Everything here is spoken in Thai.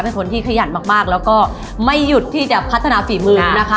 เป็นคนที่ขยันมากแล้วก็ไม่หยุดที่จะพัฒนาฝีมือนะคะ